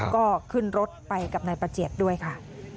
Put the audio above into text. ก็ขึ้นรถไปกับนายประเจียบด้วยค่ะ